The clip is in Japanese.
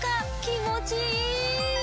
気持ちいい！